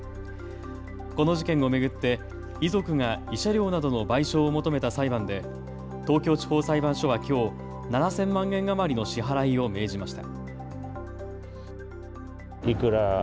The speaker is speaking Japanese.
この事件を巡って遺族が慰謝料などの賠償を求めた裁判で東京地方裁判所はきょう７０００万円余りの支払いを命じました。